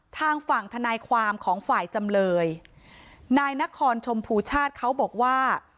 ทางฝั่งทนายความของฝ่ายจำเลยนายนครชมพูชาติเขาบอกว่า